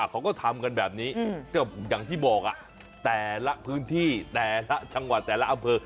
เขาก็ทำกันแบบนี้ก็อย่างที่บอกแต่ละพื้นที่แต่ละจังหวัดแต่ละอำเภอ